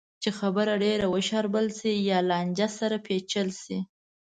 چې خبره ډېره وشاربل شي یا لانجه سره پېچل شي.